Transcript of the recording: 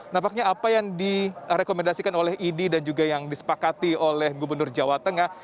nampaknya apa yang direkomendasikan oleh idi dan juga yang disepakati oleh gubernur jawa tengah